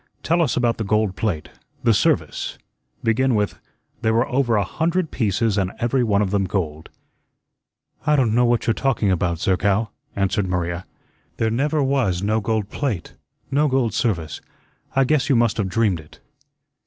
Tell us about the gold plate the service. Begin with, 'There were over a hundred pieces and every one of them gold.'" "I don't know what you're talking about, Zerkow," answered Maria. "There never was no gold plate, no gold service. I guess you must have dreamed it."